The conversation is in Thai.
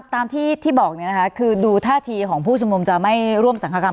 ตามที่บอกคือดูท่าทีของผู้ชุมนุมจะไม่ร่วมสังคกรรม